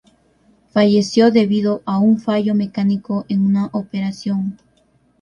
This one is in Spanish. Falleció debido a un fallo mecánico en una operación.